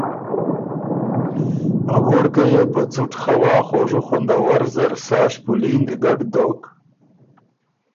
ا ووړکئ یې په څُټ خوا خوژُو خوندور زر سا ݭپُولینګ ګډ دوک